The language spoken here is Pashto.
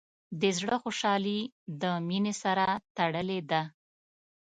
د زړۀ خوشحالي د مینې سره تړلې ده.